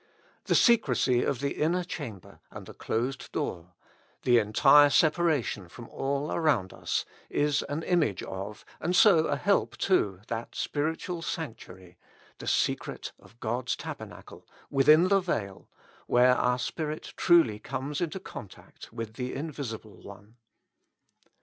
The secrecy of the inner chamber and the closed door, the entire separation from all around us, is an image of, and so a help to that spiritual sanctuary, the secret of God's tabernacle, within the veil, where our spirit truly comes into contact with the Invisible One.